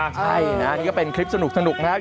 ใช่นะนี่ก็เป็นคลิปสนุกนะครับ